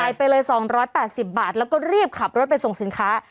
ไปเลย๒๘๐บาทแล้วก็รีบขับรถไปส่งสินค้า